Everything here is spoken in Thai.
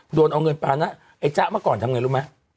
โดนเอาเงินปานะไอ้จ๊ะเมื่อก่อนทำไงรู้ไหม